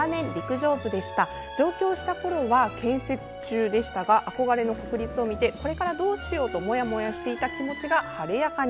上京したころは建設中でしたが憧れの国立を見てこれからどうしようともやもやしていた気持ちが晴れやかに。